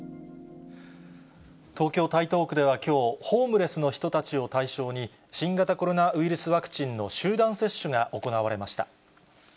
東京・台東区ではきょう、ホームレスの人たちを対象に、新型コロナウイルスワクチンの集団接種が行われました。